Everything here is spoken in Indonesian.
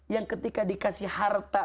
yang ketika dikasih harta